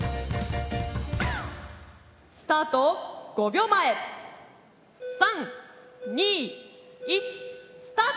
スタート５秒前３・２・１スタート！